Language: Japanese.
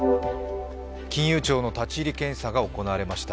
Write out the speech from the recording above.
金融庁の立ち入り検査が行われました。